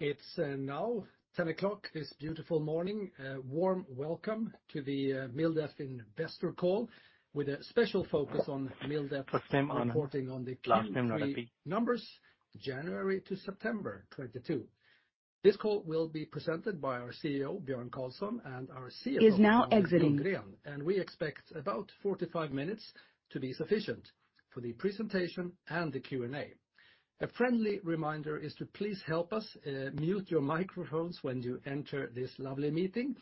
It's now 10:00 A.M. this beautiful morning. A warm welcome to the MilDef Investor Call with a special focus on MilDef reporting on the Q3 numbers January to September 2022. This call will be presented by our CEO, Björn Karlsson, and our CFO- Is now exiting. Daniel Ljunggren, and we expect about 45 minutes to be sufficient for the presentation and the Q&A. A friendly reminder is to please help us, mute your microphones when you enter this lovely meeting.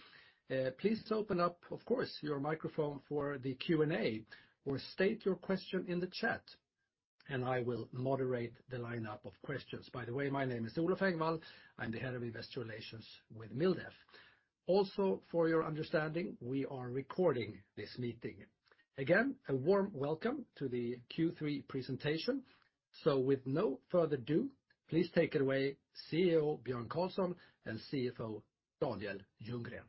Please open up, of course, your microphone for the Q&A, or state your question in the chat, and I will moderate the lineup of questions. By the way, my name is Olof Engvall. I'm the Head of Investor Relations with MilDef. Also, for your understanding, we are recording this meeting. Again, a warm welcome to the Q3 presentation. With no further ado, please take it away, CEO Björn Karlsson and CFO Daniel Ljunggren.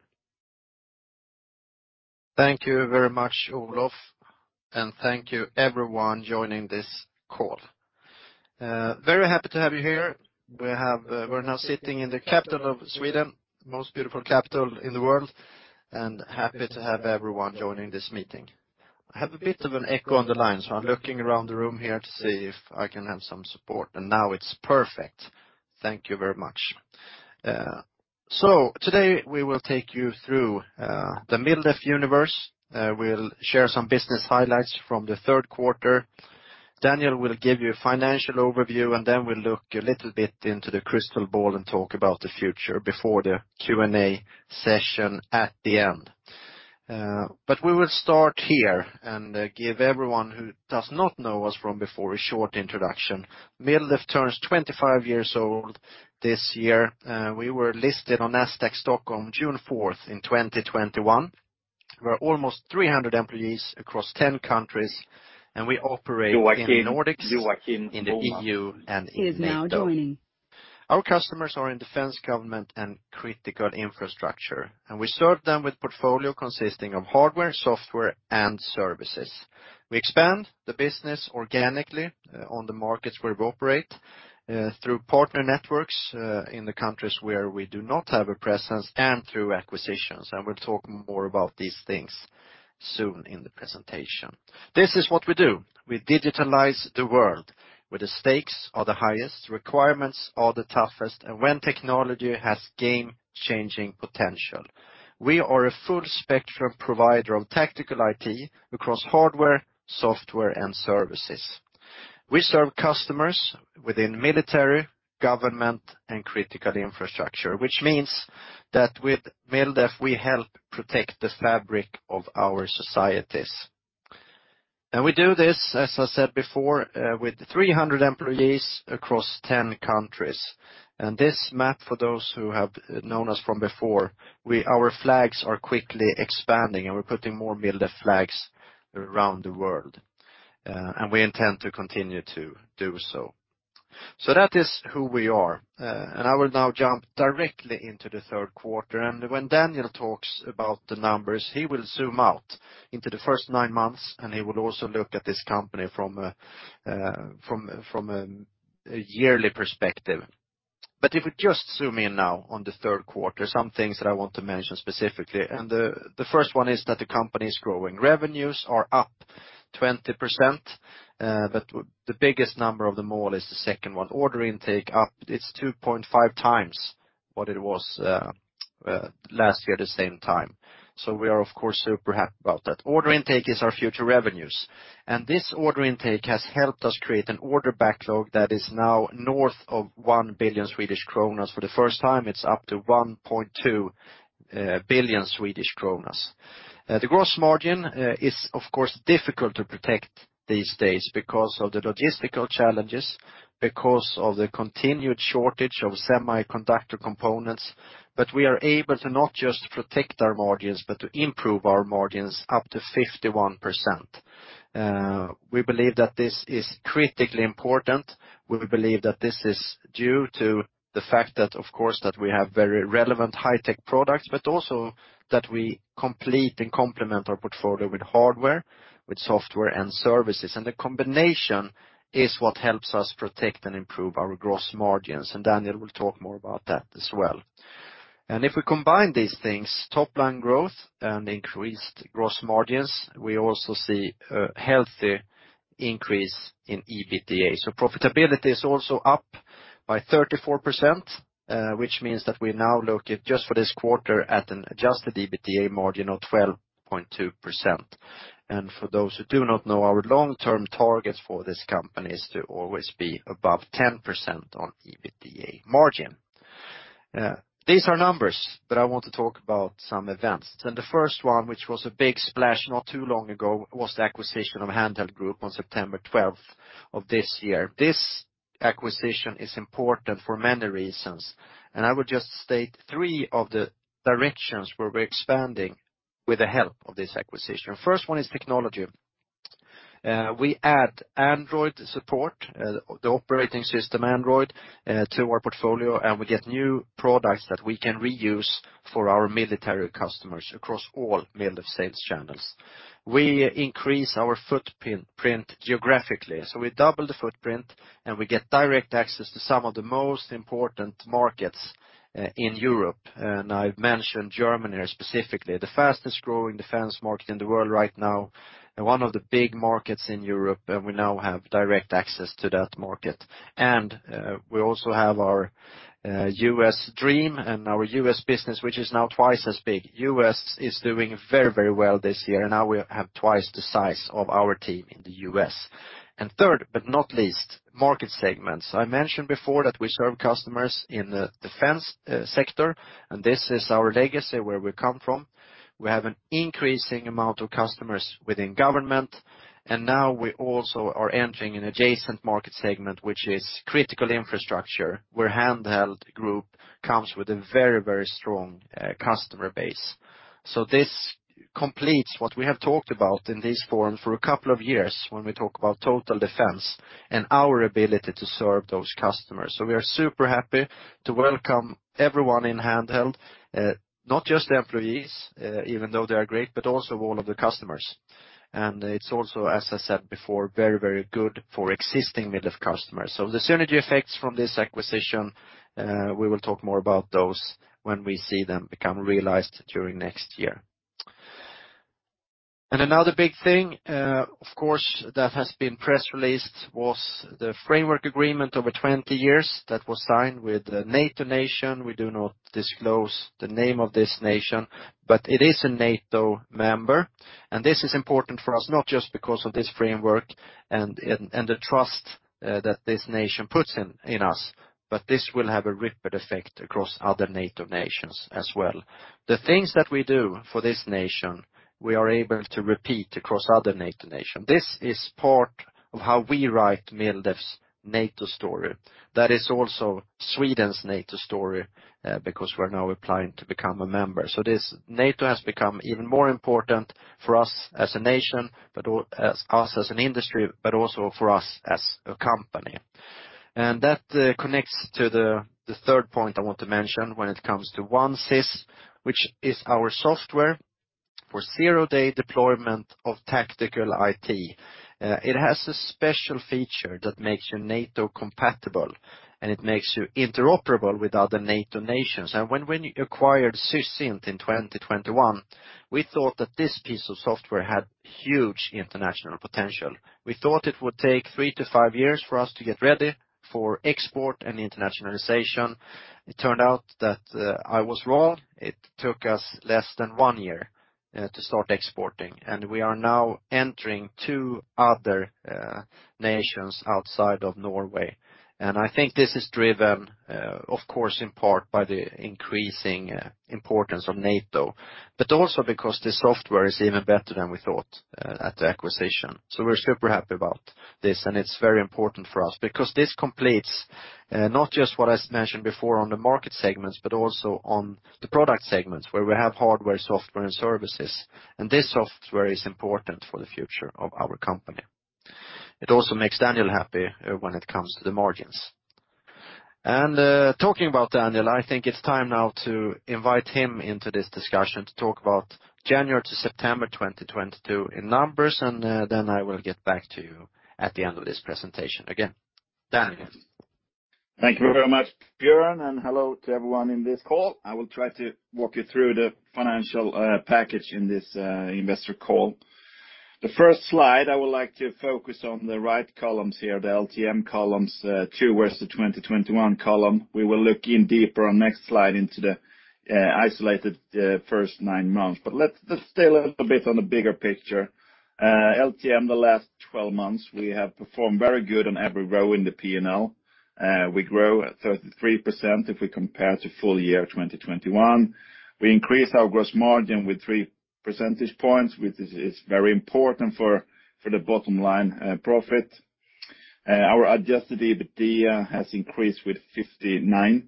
Thank you very much, Olof, and thank you everyone joining this call. Very happy to have you here. We're now sitting in the capital of Sweden, most beautiful capital in the world, and happy to have everyone joining this meeting. I have a bit of an echo on the line, so I'm looking around the room here to see if I can have some support. Now it's perfect. Thank you very much. Today we will take you through the MilDef universe. We'll share some business highlights from the third quarter. Daniel will give you a financial overview, and then we'll look a little bit into the crystal ball and talk about the future before the Q&A session at the end. We will start here and give everyone who does not know us from before a short introduction. MilDef turns 25 years old this year. We were listed on Nasdaq Stockholm June 4, 2021. We're almost 300 employees across 10 countries, and we operate in Nordics, in the EU, and in NATO. Is now joining. Our customers are in defense, government, and critical infrastructure, and we serve them with portfolio consisting of hardware, software, and services. We expand the business organically on the markets where we operate through partner networks in the countries where we do not have a presence and through acquisitions. We'll talk more about these things soon in the presentation. This is what we do. We digitalize the world where the stakes are the highest, requirements are the toughest, and when technology has game-changing potential. We are a full spectrum provider of tactical IT across hardware, software, and services. We serve customers within military, government, and critical infrastructure, which means that with MilDef, we help protect the fabric of our societies. We do this, as I said before, with 300 employees across 10 countries. This map, for those who have known us from before, our flags are quickly expanding, and we're putting more MilDef flags around the world. We intend to continue to do so. That is who we are. I will now jump directly into the third quarter. When Daniel talks about the numbers, he will zoom out into the first nine months, and he will also look at this company from a yearly perspective. If we just zoom in now on the third quarter, some things that I want to mention specifically. The first one is that the company's growing revenues are up 20%. The biggest number of them all is the second one. Order intake up, it's 2.5x what it was last year, the same time. We are, of course, super happy about that. Order intake is our future revenues, and this order intake has helped us create an order backlog that is now north of 1 billion Swedish kronor. For the first time, it's up to 1.2 billion Swedish kronor. The gross margin is of course difficult to protect these days because of the logistical challenges, because of the continued shortage of semiconductor components. We are able to not just protect our margins, but to improve our margins up to 51%. We believe that this is critically important. We believe that this is due to the fact that, of course, that we have very relevant high-tech products, but also that we complete and complement our portfolio with hardware, with software and services. The combination is what helps us protect and improve our gross margins. Daniel will talk more about that as well. If we combine these things, top-line growth and increased gross margins, we also see a healthy increase in EBITDA. Profitability is also up by 34%, which means that we now look at just for this quarter at an adjusted EBITDA margin of 12.2%. For those who do not know, our long-term target for this company is to always be above 10% on EBITDA margin. These are numbers, but I want to talk about some events. The first one, which was a big splash not too long ago, was the acquisition of Handheld Group on September twelfth of this year. This acquisition is important for many reasons, and I would just state three of the directions where we're expanding with the help of this acquisition. First one is technology. We add Android support, the operating system Android, to our portfolio, and we get new products that we can reuse for our military customers across all MilDef sales channels. We increase our footprint geographically. We double the footprint, and we get direct access to some of the most important markets in Europe. I've mentioned Germany specifically, the fastest-growing defense market in the world right now, and one of the big markets in Europe, and we now have direct access to that market. We also have our U.S. dream and our U.S. business, which is now twice as big. U.S. is doing very, very well this year, and now we have twice the size of our team in the U.S. Third, but not least, market segments. I mentioned before that we serve customers in the defense sector, and this is our legacy, where we come from. We have an increasing amount of customers within government, and now we also are entering an adjacent market segment, which is critical infrastructure, where Handheld Group comes with a very, very strong customer base. This completes what we have talked about in this forum for a couple of years when we talk about Total Defence and our ability to serve those customers. We are super happy to welcome everyone in Handheld, not just the employees, even though they are great, but also all of the customers. It's also, as I said before, very, very good for existing MilDef customers. The synergy effects from this acquisition, we will talk more about those when we see them become realized during next year. Another big thing, of course, that has been press-released was the framework agreement over 20 years that was signed with the NATO nation. We do not disclose the name of this nation, but it is a NATO member. This is important for us not just because of this framework and the trust that this nation puts in us, but this will have a ripple effect across other NATO nations as well. The things that we do for this nation, we are able to repeat across other NATO nations. This is part of how we write MilDef's NATO story. That is also Sweden's NATO story, because we're now applying to become a member. This NATO has become even more important for us as a nation, but also us as an industry, but also for us as a company. That connects to the third point I want to mention when it comes to OneCIS, which is our software for zero-day deployment of tactical IT. It has a special feature that makes you NATO-compatible, and it makes you interoperable with other NATO nations. When you acquired Sysint in 2021, we thought that this piece of software had huge international potential. We thought it would take three to five years for us to get ready for export and internationalization. It turned out that I was wrong. It took us less than one year to start exporting, and we are now entering two other nations outside of Norway. I think this is driven, of course, in part by the increasing importance of NATO, but also because the software is even better than we thought at the acquisition. We're super happy about this, and it's very important for us because this completes not just what I mentioned before on the market segments, but also on the product segments where we have hardware, software, and services. This software is important for the future of our company. It also makes Daniel happy when it comes to the margins. Talking about Daniel, I think it's time now to invite him into this discussion to talk about January to September 2022 in numbers, and then I will get back to you at the end of this presentation again. Daniel. Thank you very much, Björn, and hello to everyone in this call. I will try to walk you through the financial package in this investor call. The first slide, I would like to focus on the right columns here, the LTM columns, towards the 2021 column. We will look in deeper on next slide into the isolated first nine months. Let's stay a little bit on the bigger picture. LTM, the last twelve months, we have performed very good on every row in the P&L. We grow at 33% if we compare to full year 2021. We increase our gross margin with 3 percentage points, which is very important for the bottom line profit. Our adjusted EBITDA has increased with 59%.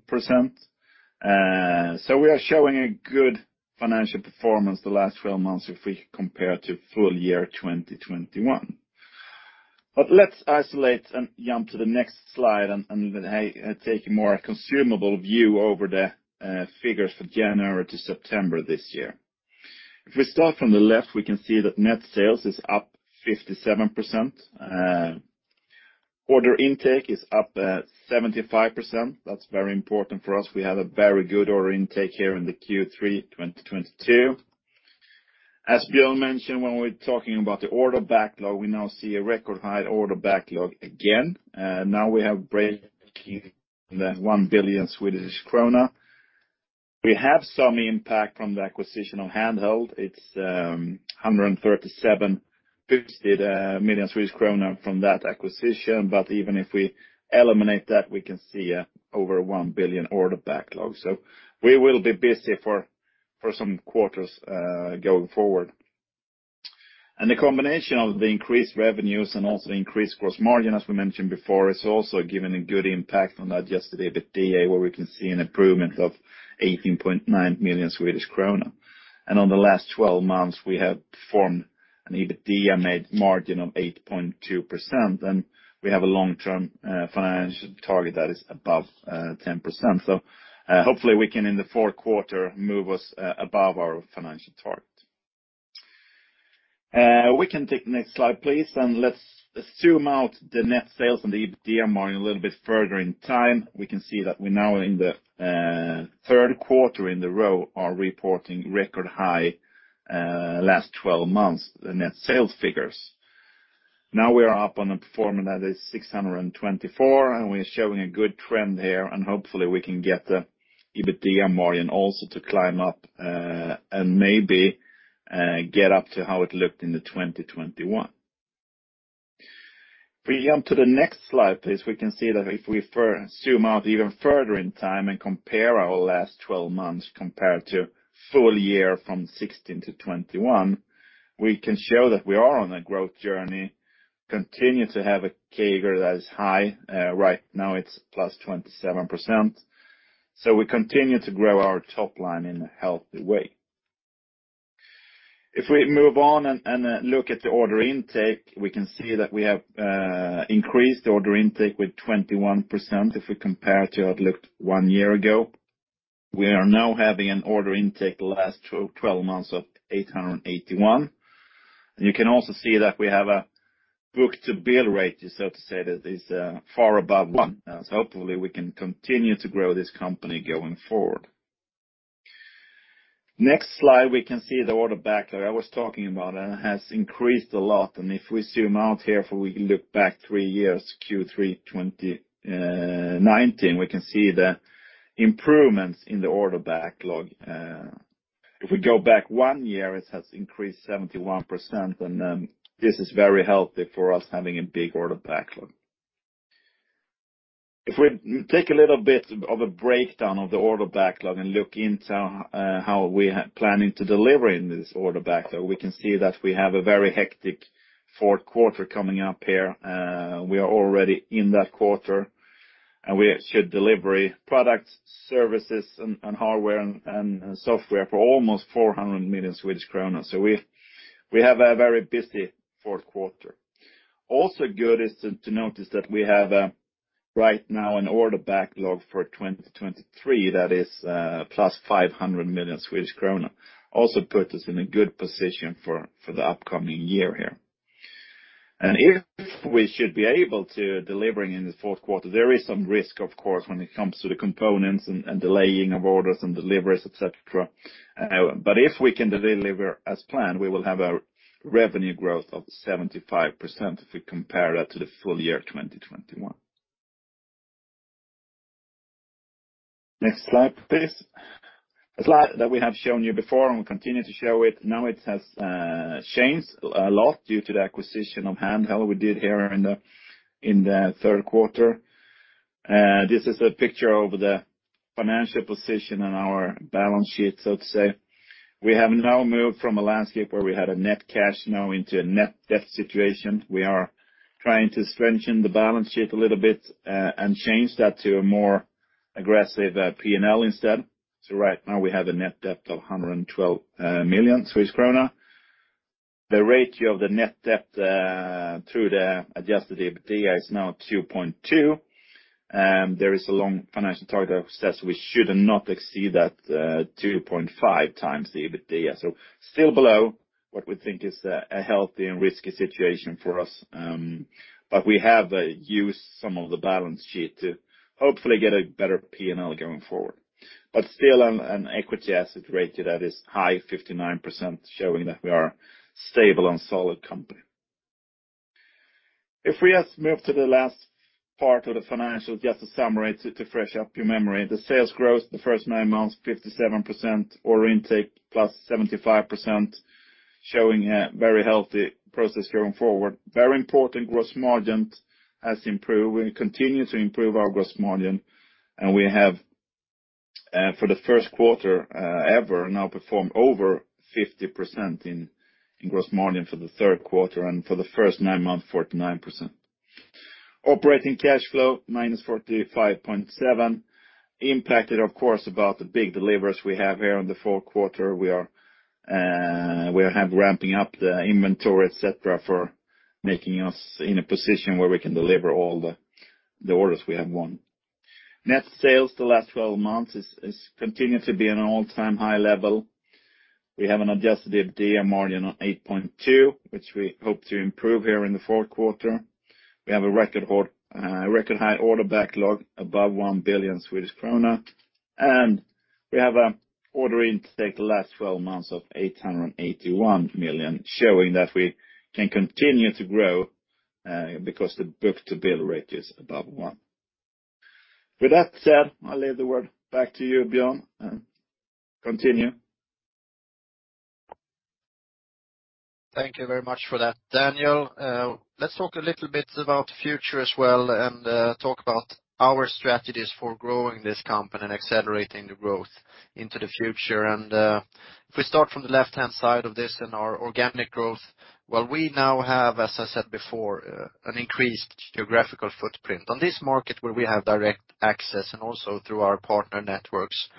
We are showing a good financial performance the last 12 months if we compare to full year 2021. Let's isolate and jump to the next slide and then take a more consumable view over the figures for January to September this year. If we start from the left, we can see that net sales is up 57%. Order intake is up at 75%. That's very important for us. We have a very good order intake here in the Q3 2022. As Björn mentioned, when we're talking about the order backlog, we now see a record high order backlog again. Now we have breaking the 1 billion Swedish krona. We have some impact from the acquisition of Handheld. It's 137 million Swedish krona from that acquisition. Even if we eliminate that, we can see over 1 billion order backlog. We will be busy for some quarters going forward. The combination of the increased revenues and also increased gross margin, as we mentioned before, is also giving a good impact on EBITDA, where we can see an improvement of 18.9 million Swedish krona. On the last twelve months, we have performed an EBITDA net margin of 8.2%, and we have a long-term financial target that is above 10%. Hopefully we can, in the fourth quarter, move us above our financial target. We can take the next slide, please. Let's zoom out the net sales and the EBITDA margin a little bit further in time. We can see that we now, in the third quarter in a row, are reporting record high last twelve months net sales figures. Now we are up on a performance that is 624, and we're showing a good trend here, and hopefully we can get the EBITDA margin also to climb up, and maybe get up to how it looked in 2021. If we jump to the next slide, please, we can see that if we zoom out even further in time and compare our last twelve months compared to full year from 2016 to 2021, we can show that we are on a growth journey, continue to have a CAGR that is high. Right now it's +27%. We continue to grow our top line in a healthy way. If we move on and look at the order intake, we can see that we have increased order intake with 21% if we compare to how it looked one year ago. We are now having an order intake the last 12 months of 881. You can also see that we have a book-to-bill rate, so to say, that is far above one. Hopefully we can continue to grow this company going forward. Next slide, we can see the order backlog I was talking about. It has increased a lot. If we zoom out here, we can look back three years, Q3 2019, we can see the improvements in the order backlog. If we go back one year, it has increased 71%, and this is very healthy for us having a big order backlog. If we take a little bit of a breakdown of the order backlog and look into how we are planning to deliver in this order backlog, we can see that we have a very hectic fourth quarter coming up here. We are already in that quarter, and we should deliver products, services, and hardware and software for almost 400 million Swedish kronor. We have a very busy fourth quarter. Also good is to notice that we have right now an order backlog for 2023 that is plus 500 million Swedish krona. Also puts us in a good position for the upcoming year here. If we should be able to deliver in the fourth quarter, there is some risk, of course, when it comes to the components and delaying of orders and deliveries, et cetera. If we can deliver as planned, we will have a revenue growth of 75% if we compare that to the full year 2021. Next slide, please. A slide that we have shown you before, and we continue to show it. Now it has changed a lot due to the acquisition of Handheld we did here in the third quarter. This is a picture of the financial position on our balance sheet, so to say. We have now moved from a landscape where we had a net cash now into a net debt situation. We are trying to strengthen the balance sheet a little bit, and change that to a more aggressive P&L instead. Right now we have a net debt of 112 million kronor. The ratio of the net debt to the adjusted EBITDA is now 2.2. There is a long-term financial target that says we should not exceed that 2.5x the EBITDA. Still below what we think is a healthy and low-risk situation for us. We have used some of the balance sheet to hopefully get a better P&L going forward. Still an equity asset ratio that is high 59% showing that we are a stable and solid company. If we just move to the last part of the financials, just to summarize it, to refresh your memory. The sales growth the first nine months, 57%. Order intake +75%, showing a very healthy process going forward. Very important, gross margin has improved. We continue to improve our gross margin, and we have for the first quarter ever now performed over 50% in gross margin for the third quarter, and for the first nine months, 49%. Operating cash flow -45.7. Impacted, of course, about the big deliveries we have here in the fourth quarter. We are ramping up the inventory, et cetera, for making us in a position where we can deliver all the orders we have won. Net sales the last twelve months is continuing to be an all-time high level. We have an adjusted EBITDA margin of 8.2%, which we hope to improve here in the fourth quarter. We have a record high order backlog above 1 billion Swedish krona. We have an order intake the last twelve months of 881 million showing that we can continue to grow, because the book-to-bill rate is above one. With that said, I'll hand the word back to you, Björn, and continue. Thank you very much for that, Daniel. Let's talk a little bit about the future as well, and talk about our strategies for growing this company and accelerating the growth into the future. If we start from the left-hand side of this and our organic growth, while we now have, as I said before, an increased geographical footprint. On this market where we have direct access and also through our partner networks,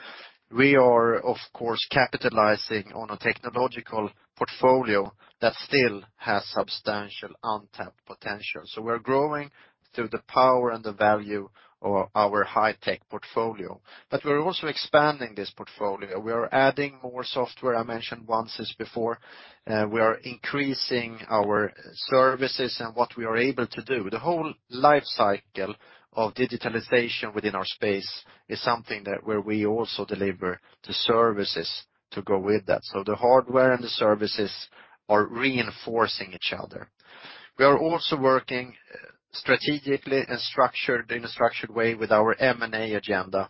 we are, of course, capitalizing on a technological portfolio that still has substantial untapped potential. We're growing through the power and the value of our high-tech portfolio. We're also expanding this portfolio. We are adding more software. I mentioned this once before. We are increasing our services and what we are able to do. The whole life cycle of digitalization within our space is something where we also deliver the services to go with that. The hardware and the services are reinforcing each other. We are also working strategically in a structured way with our M&A agenda,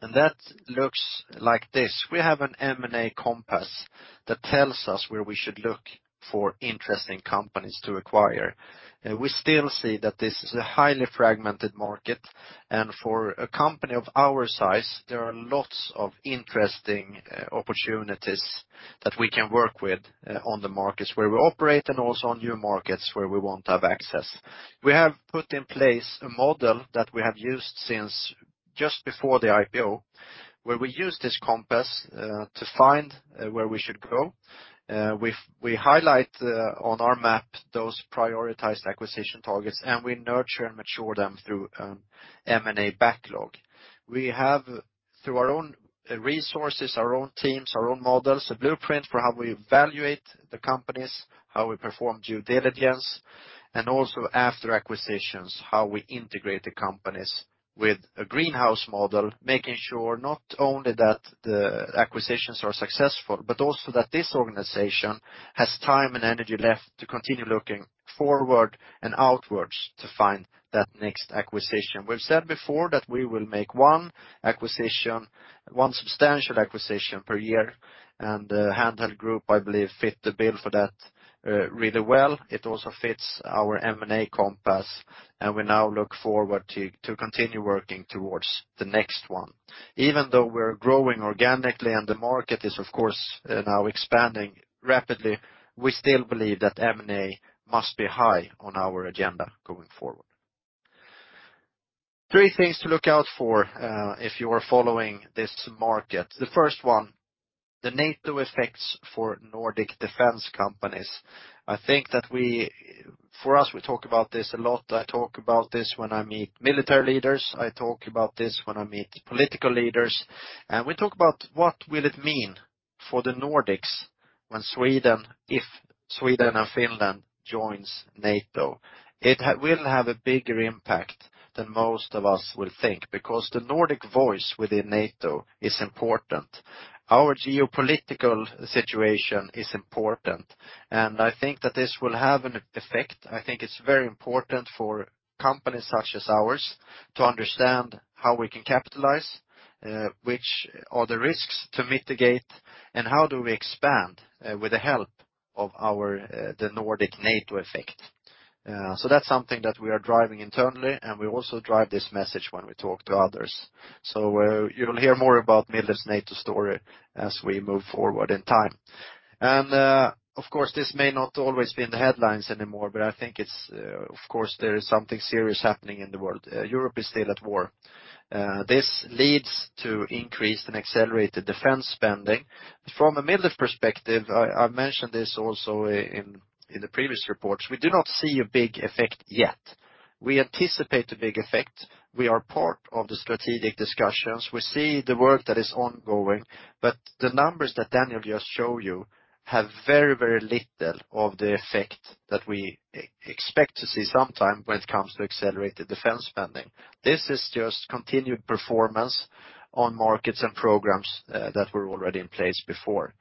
and that looks like this. We have an M&A compass that tells us where we should look for interesting companies to acquire. We still see that this is a highly fragmented market. For a company of our size, there are lots of interesting opportunities that we can work with on the markets where we operate and also on new markets where we won't have access. We have put in place a model that we have used since just before the IPO, where we use this compass to find where we should go. We highlight on our map those prioritized acquisition targets, and we nurture and mature them through M&A backlog. We have, through our own resources, our own teams, our own models, a blueprint for how we evaluate the companies, how we perform due diligence, and also after acquisitions, how we integrate the companies with a greenhouse model, making sure not only that the acquisitions are successful, but also that this organization has time and energy left to continue looking forward and outwards to find that next acquisition. We've said before that we will make one acquisition, one substantial acquisition per year. Handheld Group, I believe, fit the bill for that really well. It also fits our M&A compass, and we now look forward to continue working towards the next one. Even though we're growing organically and the market is of course now expanding rapidly, we still believe that M&A must be high on our agenda going forward. Three things to look out for if you are following this market. The first one, the NATO effects for Nordic defense companies. I think that. For us, we talk about this a lot. I talk about this when I meet military leaders. I talk about this when I meet political leaders. We talk about what will it mean for the Nordics when Sweden, if Sweden and Finland joins NATO. It will have a bigger impact than most of us will think, because the Nordic voice within NATO is important. Our geopolitical situation is important, and I think that this will have an effect. I think it's very important for companies such as ours to understand how we can capitalize, which are the risks to mitigate, and how do we expand with the help of our the Nordic NATO effect. That's something that we are driving internally, and we also drive this message when we talk to others. You'll hear more about MilDef's NATO story as we move forward in time. Of course, this may not always be in the headlines anymore, but I think it's, of course, there is something serious happening in the world. Europe is still at war. This leads to increased and accelerated defense spending. From a MilDef perspective, I mentioned this also in the previous reports, we do not see a big effect yet. We anticipate a big effect. We are part of the strategic discussions. We see the work that is ongoing, but the numbers that Daniel just showed you have very, very little of the effect that we expect to see sometime when it comes to accelerated defense spending. This is just continued performance on markets and programs that were already in place before.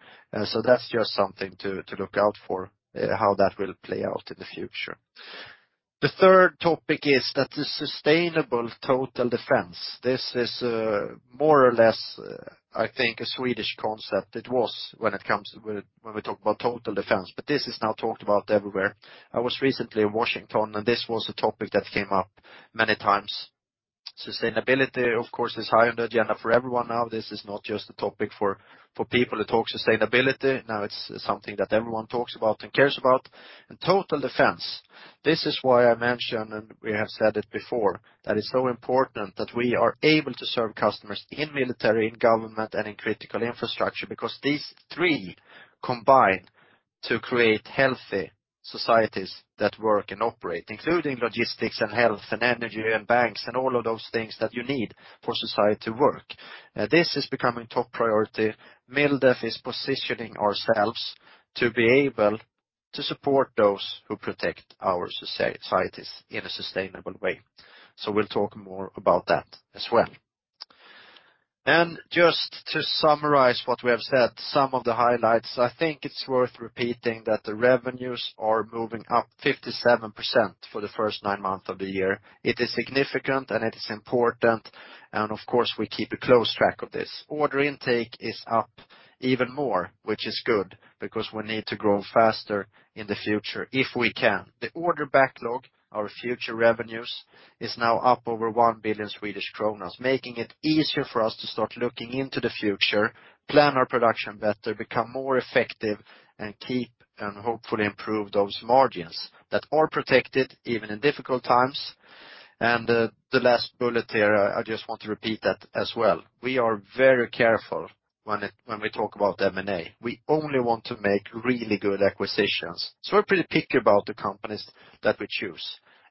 So that's just something to look out for, how that will play out in the future. The third topic is that the sustainable Total Defence, this is more or less, I think a Swedish concept. When we talk about Total Defence, but this is now talked about everywhere. I was recently in Washington, and this was a topic that came up many times. Sustainability, of course, is high on the agenda for everyone now. This is not just a topic for people to talk sustainability. Now it's something that everyone talks about and cares about. Total Defence, this is why I mentioned, and we have said it before, that it's so important that we are able to serve customers in military, in government, and in critical infrastructure, because these three combine to create healthy societies that work and operate, including logistics and health and energy and banks and all of those things that you need for society to work. This is becoming top priority. MilDef is positioning ourselves to be able to support those who protect our societies in a sustainable way. We'll talk more about that as well. Just to summarize what we have said, some of the highlights, I think it's worth repeating that the revenues are moving up 57% for the first nine months of the year. It is significant, and it is important, and of course, we keep a close track of this. Order intake is up even more, which is good because we need to grow faster in the future if we can. The order backlog, our future revenues, is now up over 1 billion Swedish kronor, making it easier for us to start looking into the future, plan our production better, become more effective, and keep and hopefully improve those margins that are protected even in difficult times. The last bullet there, I just want to repeat that as well. We are very careful when we talk about M&A. We only want to make really good acquisitions, so we're pretty picky about the companies that we choose.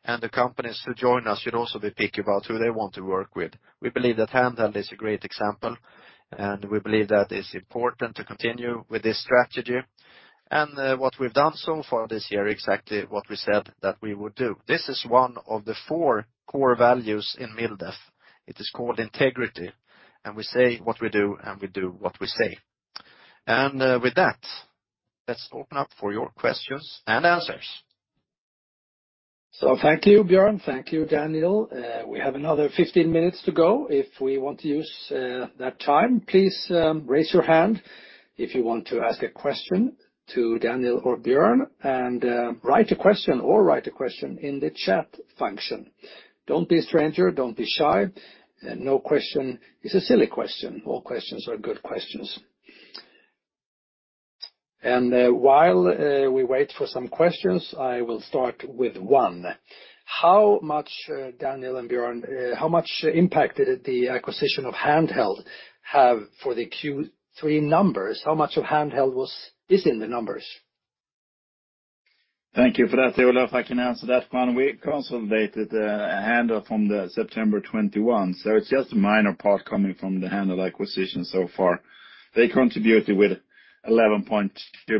The companies who join us should also be picky about who they want to work with. We believe that Handheld is a great example, and we believe that it's important to continue with this strategy. What we've done so far this year, exactly what we said that we would do. This is one of the four core values in MilDef. It is called integrity, and we say what we do, and we do what we say. With that, let's open up for your questions and answers. Thank you, Björn. Thank you, Daniel. We have another 15 minutes to go if we want to use that time. Please raise your hand if you want to ask a question to Daniel or Björn, and write a question in the chat function. Don't be a stranger, don't be shy. No question is a silly question. All questions are good questions. While we wait for some questions, I will start with one. How much impact did the acquisition of Handheld have for the Q3 numbers? How much of Handheld is in the numbers? Thank you for that. I don't know if I can answer that one. We consolidated Handheld from September 2021, so it's just a minor part coming from the Handheld acquisition so far. They contributed with 11.2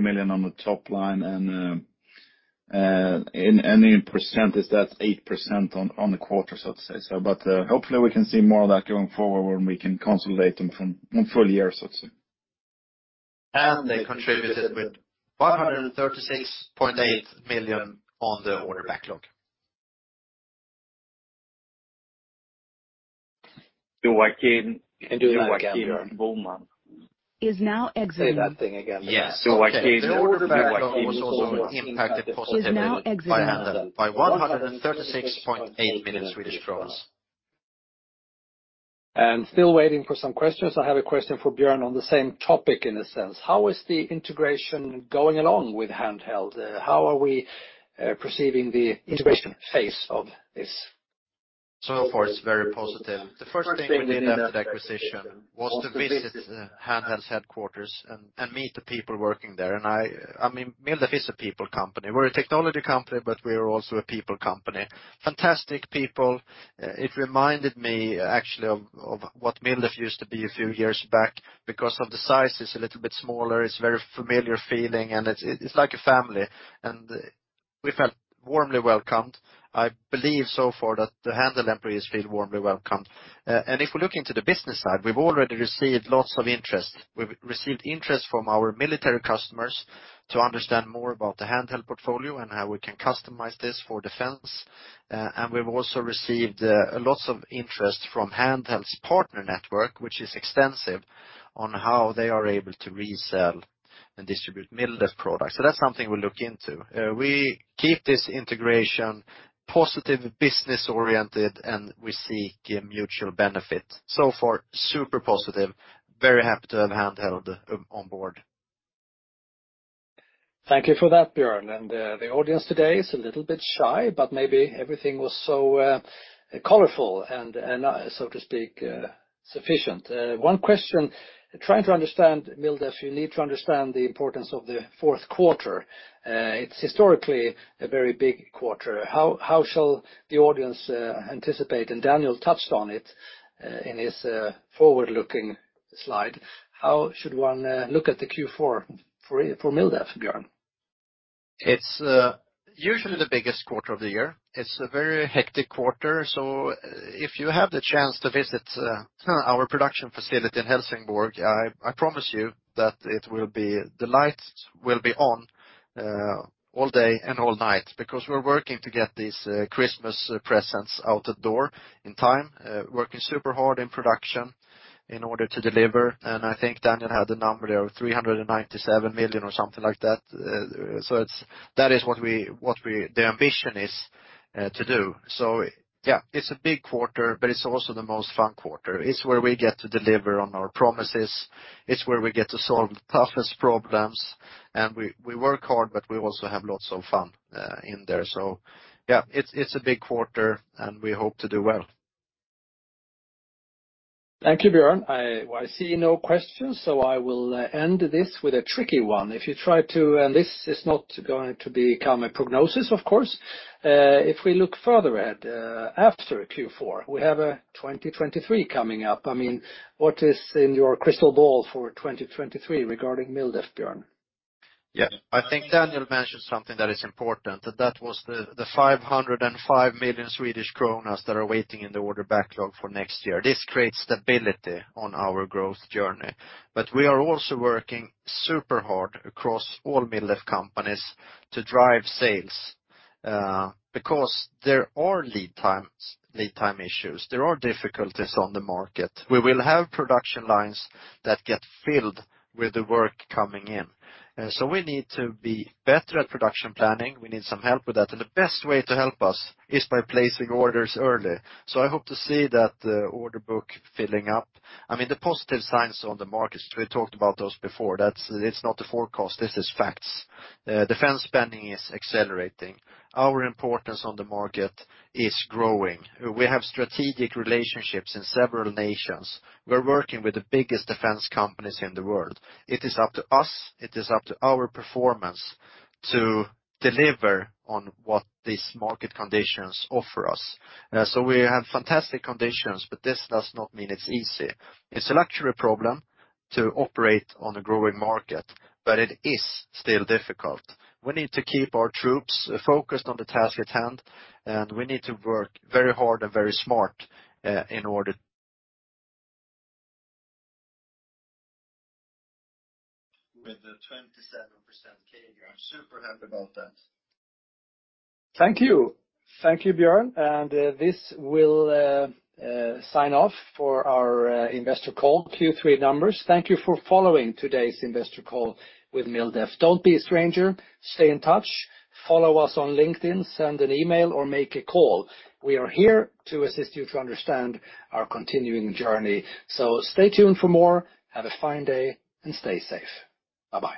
million on the top line, and in annual percentage, that's 8% on the quarter, so to say. Hopefully we can see more of that going forward when we can consolidate them from one full year, so to say. They contributed with 536.8 million on the order backlog. [Joachim]- Can do that again. [Joachim Boman]. Is now exiting. Say that thing again. Yes. Okay. The order backlog was also impacted positively. Is now exiting. By Handheld by 136.8 million. Still waiting for some questions. I have a question for Björn on the same topic in a sense. How is the integration going along with Handheld? How are we perceiving the integration phase of this? So far, it's very positive. The first thing we did after the acquisition was to visit Handheld's headquarters and meet the people working there. I mean, MilDef is a people company. We're a technology company, but we are also a people company. Fantastic people. It reminded me actually of what MilDef used to be a few years back because of the size is a little bit smaller. It's very familiar feeling, and it's like a family, and we felt warmly welcomed. I believe so far that the Handheld employees feel warmly welcomed. If we look into the business side, we've already received lots of interest. We've received interest from our military customers to understand more about the Handheld portfolio and how we can customize this for defense. We've also received lots of interest from Handheld's partner network, which is extensive, on how they are able to resell and distribute MilDef products. That's something we'll look into. We keep this integration positive, business-oriented, and we seek a mutual benefit. So far, super positive. Very happy to have Handheld on board. Thank you for that, Björn. The audience today is a little bit shy, but maybe everything was so colorful and so to speak sufficient. One question, trying to understand MilDef, you need to understand the importance of the fourth quarter. It's historically a very big quarter. How shall the audience anticipate? Daniel touched on it in his forward-looking slide. How should one look at the Q4 for MilDef, Björn? It's usually the biggest quarter of the year. It's a very hectic quarter. If you have the chance to visit our production facility in Helsingborg, I promise you that it will be. The lights will be on all day and all night because we're working to get these Christmas presents out the door in time, working super hard in production in order to deliver. I think Daniel had the number there, 397 million or something like that. It's that is what we the ambition is to do. Yeah, it's a big quarter, but it's also the most fun quarter. It's where we get to deliver on our promises. It's where we get to solve the toughest problems. We work hard, but we also have lots of fun in there. Yeah, it's a big quarter, and we hope to do well. Thank you, Björn. I see no questions, so I will end this with a tricky one. If you try to, and this is not going to become a prognosis, of course. If we look further at, after Q4, we have a 2023 coming up. I mean, what is in your crystal ball for 2023 regarding MilDef, Björn? Yes. I think Daniel mentioned something that is important, that was the 505 million Swedish kronor that are waiting in the order backlog for next year. This creates stability on our growth journey. We are also working super hard across all MilDef companies to drive sales, because there are lead times, lead time issues. There are difficulties on the market. We will have production lines that get filled with the work coming in. We need to be better at production planning. We need some help with that. The best way to help us is by placing orders early. I hope to see that order book filling up. I mean, the positive signs on the markets, we talked about those before. That's not a forecast, this is facts. Defense spending is accelerating. Our importance on the market is growing. We have strategic relationships in several nations. We're working with the biggest defense companies in the world. It is up to us, it is up to our performance to deliver on what these market conditions offer us. We have fantastic conditions, but this does not mean it's easy. It's a luxury problem to operate on a growing market, but it is still difficult. We need to keep our troops focused on the task at hand, and we need to work very hard and very smart. With a 27% CAGR. I'm super happy about that. Thank you. Thank you, Björn. This will sign off for our investor call, Q3 numbers. Thank you for following today's investor call with MilDef. Don't be a stranger. Stay in touch. Follow us on LinkedIn, send an email or make a call. We are here to assist you to understand our continuing journey. Stay tuned for more. Have a fine day, and stay safe. Bye-bye.